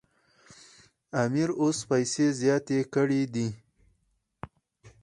امیر اوس پیسې زیاتې کړي دي.